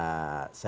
saya ingin menjawab